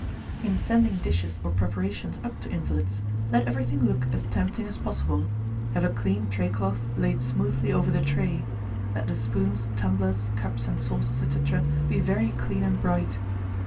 1844. In sending dishes or preparations up to invalids, let everything look as tempting as possible. Have a clean tray cloth laid smoothly over the tray; let the spoons, tumblers, cups and saucers, &c., be very clean and bright.